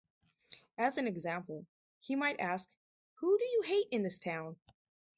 As an example, he might ask Who do you hate in this town?